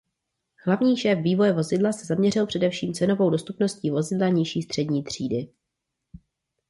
Hlavní šéf vývoje vozidla se zaměřil především cenovou dostupnost vozidla nižší střední třídy.